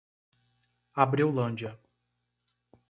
Abreulândia